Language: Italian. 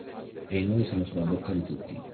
E i nomi sono sulla bocca di tutti.